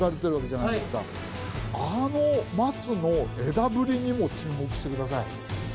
あの松の枝ぶりにも注目してください。